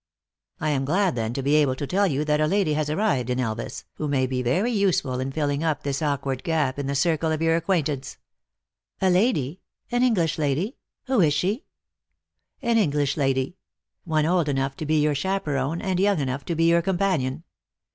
" I am glad, then, to be able to tell you that a lady has arrived in Elvas, who may be very useful in filling up this awkward gap in the circle of your ac quaintance !"" A lady ? An English lady ? Who is she 2" "An English lady. One old enough to be your chaperon, and young enough to be your companion.